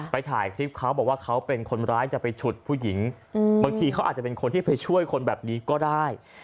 ถ่ายคลิปเขาบอกว่าเขาเป็นคนร้ายจะไปฉุดผู้หญิงบางทีเขาอาจจะเป็นคนที่ไปช่วยคนแบบนี้ก็ได้